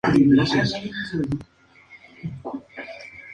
El condado recibe su nombre en honor a la tribu Wichita.